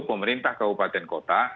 pemerintah kabupaten kota